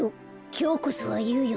きょうこそはいうよ。